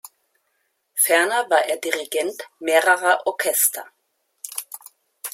Ferner war er Dirigent mehrerer Orchester.